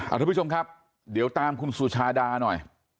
ทุกผู้ชมครับเดี๋ยวตามคุณสุชาดาหน่อย